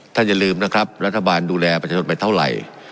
อย่าลืมนะครับรัฐบาลดูแลประชาชนไปเท่าไหร่